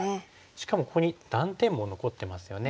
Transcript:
しかもここに断点も残ってますよね。